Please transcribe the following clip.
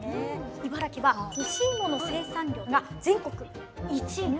茨城は干しいもの生産量が全国１位なんです。